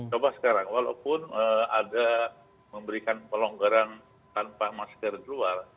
coba sekarang walaupun ada memberikan pelonggaran tanpa masker di luar